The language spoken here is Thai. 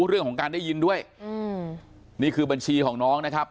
เรื่องของการได้ยินด้วยอืมนี่คือบัญชีของน้องนะครับ